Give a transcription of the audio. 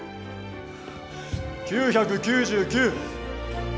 ９９９。